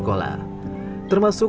coba kau berjala